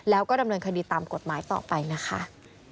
แล้วก็ดำเนินคดีตามกฎหมายต่อไปนะคะ